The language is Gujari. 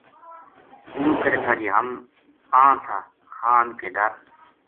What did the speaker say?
کُوڑ کرے تھا جے ہم آں تھا خان کے ڈر